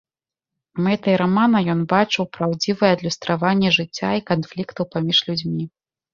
Мэтай рамана ён бачыў праўдзівае адлюстраванне жыцця і канфліктаў паміж людзьмі.